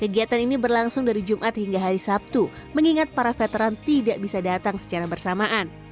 kegiatan ini berlangsung dari jumat hingga hari sabtu mengingat para veteran tidak bisa datang secara bersamaan